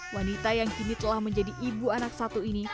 wanita yang kini telah menjadi ibu anak satu ini